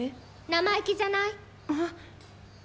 生意気じゃない？